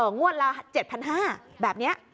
งวดละ๗๕๐๐บาทแบบนี้